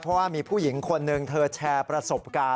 เพราะว่ามีผู้หญิงคนหนึ่งเธอแชร์ประสบการณ์